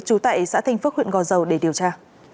trú tại xã thanh phước huyện gò dầu để điều tra